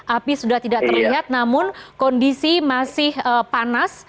api sudah tidak terlihat namun kondisi masih panas